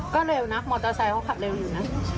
ก็เร็วนักมอเตอร์ไซค์เขาขับเร็วอยู่นะ